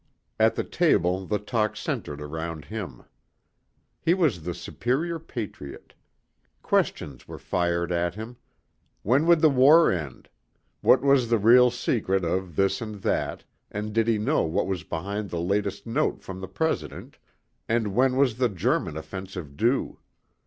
At the table the talk centered around him. He was the superior patriot. Questions were fired at him when would the war end, what was the real secret of this and that and did he know what was behind the latest note from the President, and when was the German offensive due?